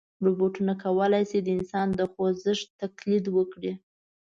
روبوټونه کولی شي د انسان د خوځښت تقلید وکړي.